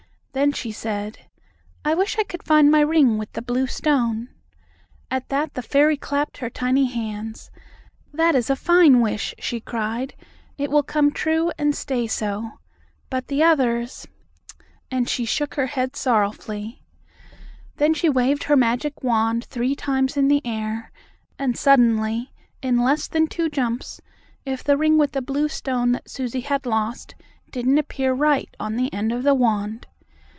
Then she said: "I wish I could find my ring with the blue stone!" At that the fairy clapped her tiny hands. "That is a fine wish!" she cried. "It will come true, and stay so. But the others " and she shook her head sorrowfully. Then she waved her magic wand three times in the air, and suddenly, in less than two jumps, if the ring with the blue stone, that Susie had lost, didn't appear right on the end of the wand.